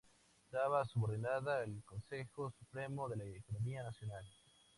Estaba subordinada al Consejo Supremo de la Economía Nacional.